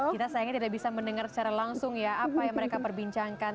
kita sayangnya tidak bisa mendengar secara langsung ya apa yang mereka perbincangkan